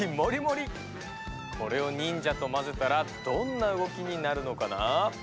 これを忍者とまぜたらどんな動きになるのかな？